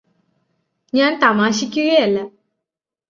ഞാന് തമാശിക്കുകയല്ല